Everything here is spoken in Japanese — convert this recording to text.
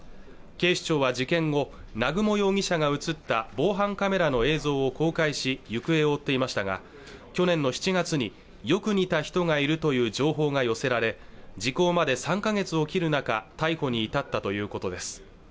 警視庁は事件後南雲容疑者が映った防犯カメラの映像を公開し行方を追っていましたが去年の７月によく似た人がいるという情報が寄せられ時効まで３か月を切る中逮捕に至ったということです